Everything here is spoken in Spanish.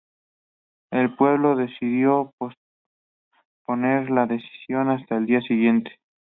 El pueblo decidió posponer la decisión hasta el día siguiente.